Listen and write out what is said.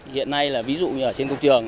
hiện nay ví dụ như ở trên công trường